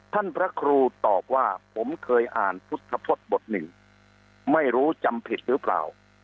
พระครูตอบว่าผมเคยอ่านพุทธพฤษบทหนึ่งไม่รู้จำผิดหรือเปล่า